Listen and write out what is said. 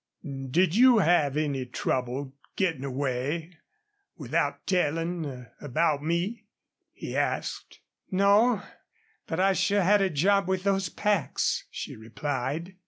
"Did you have any trouble gettin' away, without tellin' about me?" he asked. "No. But I sure had a job with those packs," she replied.